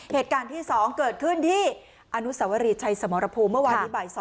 เหตุการณ์ที่๒เกิดขึ้นที่อนุสวรีชัยสมรภูมิเมื่อวานนี้บ่าย๒